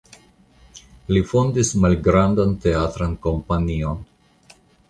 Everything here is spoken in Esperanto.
Li fondis malgrandan teatran kompanion.